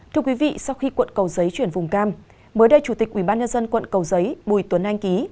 thưa quý vị sau khi quận cầu giấy chuyển vùng cam mới đây chủ tịch ubnd quận cầu giấy bùi tuấn anh ký